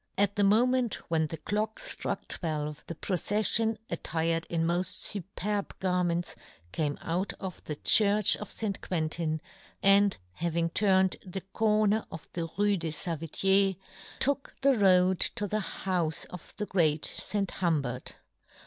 At the moment when the clock ftruck twelve, the proceffion, attired in moil fuperb garments, came out of the church of St. Quentin, and, having turned the corner of the Rue des Savetiers, took the road to the houfe yohn Gutenberg. 5 of the great St. Humbert.